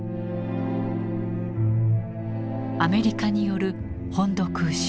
アメリカによる本土空襲。